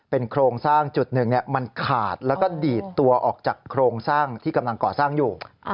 โครงสร้างจุดหนึ่งมันขาดแล้วก็ดีดตัวออกจากโครงสร้างที่กำลังก่อสร้างอยู่